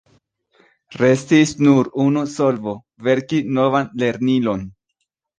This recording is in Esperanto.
Restis nur unu solvo: verki novan lernilon.